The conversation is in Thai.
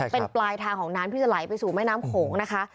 เป็นปลายทางของน้ำที่จะไหลไปสู่แม่น้ำโขงนะคะ